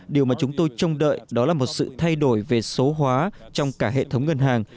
điều mà chúng tôi trông đợi đó là một sự thay đổi về số hóa trong cả hệ thống ngân hàng